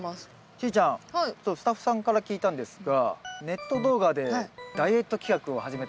しーちゃんスタッフさんから聞いたんですがネット動画でダイエット企画を始めたそうで。